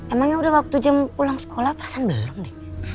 emangnya udah waktu jam pulang sekolah pasan belum deh